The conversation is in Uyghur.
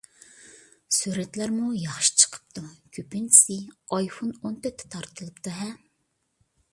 سۈرەتلەرمۇ ياخشى چىقىپتۇ، كۆپىنچىسى ئايفون ئون تۆتتە تارتىلىپتۇ-ھە؟